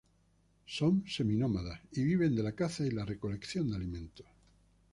Son seminómadas y viven de la caza y la recolección de alimentos.